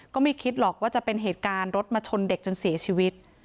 ก็ไม่คิดหรอกว่าจะเป็นเหตุการณ์รถมาชนเด็กจนเสียชีวิต